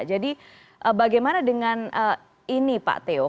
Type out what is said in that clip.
jadi bagaimana dengan ini pak teo